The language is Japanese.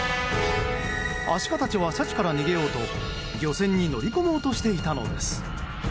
アシカたちはシャチから逃げようと漁船に乗り込もうとしていたのです。